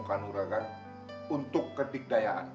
kanuragan untuk ketikdayaan